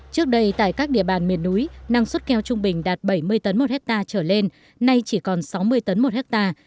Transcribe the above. trước đây tại các địa bàn miền núi năng suất keo trung bình đạt bảy mươi tấn một hectare trở lên nay chỉ còn sáu mươi tấn một hectare